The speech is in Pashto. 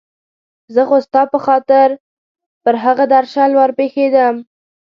زه خو ستا په خاطر پر هغه درشل ور پېښېدم.